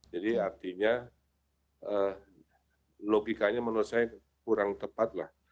jadi artinya logikanya menurut saya kurang tepat lah